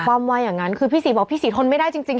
ว่าอย่างนั้นคือพี่ศรีบอกพี่ศรีทนไม่ได้จริง